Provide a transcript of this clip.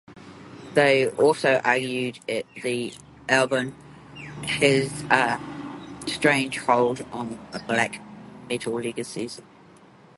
They also argued that the album has a "stranglehold" on "black metal's legacy.